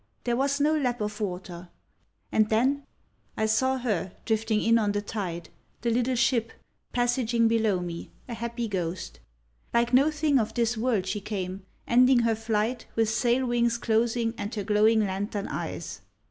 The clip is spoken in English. There was no lap of water. And then—I saw her, drifting in on the tide the little ship, passaging below me, a happy ghost. Like no thing of this world she came, ending her flight, with sail wings closing and her glowing lantern eyes.